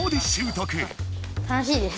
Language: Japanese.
楽しいです。